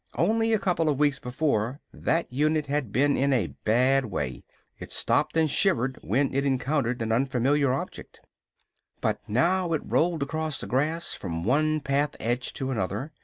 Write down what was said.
Only a couple of weeks before, that unit had been in a bad way. It stopped and shivered when it encountered an unfamiliar object. But now it rolled across the grass from one path edge to another.